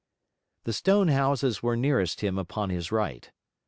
The stone houses were nearest him upon his right.